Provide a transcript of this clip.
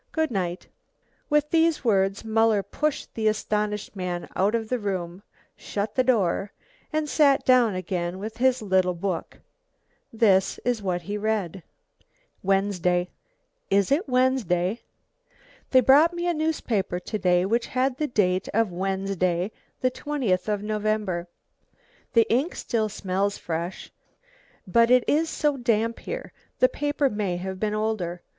Goodnight." With these words Muller pushed the astonished man out of the room, shut the door, and sat down again with his little book. This is what he read: "Wednesday is it Wednesday? They brought me a newspaper to day which had the date of Wednesday, the 20th of November. The ink still smells fresh, but it is so damp here, the paper may have been older.